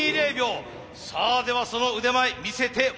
さあではその腕前見せてもらいましょう。